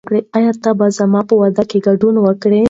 آیا ته به زما په واده کې ګډون وکړې؟